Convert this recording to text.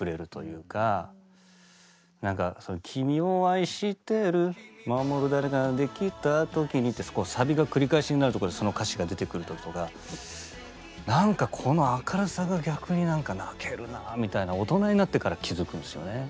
なんか「君を愛してる守る誰かができた時に」ってサビが繰り返しになるとこでその歌詞が出てくる時とかなんかこの明るさが逆になんか泣けるなみたいな大人になってから気付くんですよね。